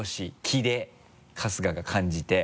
気で春日が感じて。